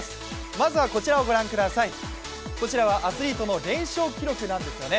まずはこちらをご覧ください、こちらはアスリートの連勝記録なんですよね。